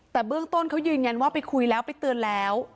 แต่เบื้องต้นเขายืนยันว่าไปคุยแล้วไปเตือนแล้ว